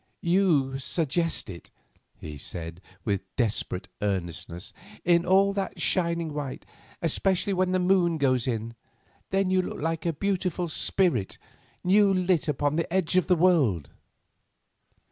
"You suggest it," he said, with desperate earnestness, "in all that shining white, especially when the moon goes in. Then you look like a beautiful spirit new lit upon the edge of the world."